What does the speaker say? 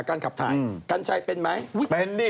การนั่งโยงอย่างนี้